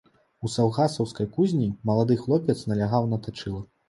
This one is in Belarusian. У саўгасаўскай кузні малады хлопец налягаў на тачыла.